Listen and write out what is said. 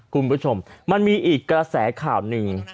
กรุงผู้ชมมันมีกระแสข่าวหนึ่ง